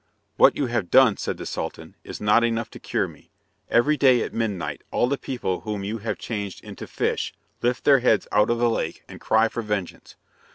"What you have done," said the Sultan, "is not enough to cure me. Every day at midnight all the people whom you have changed into fish lift their heads out of the lake and cry for vengeance.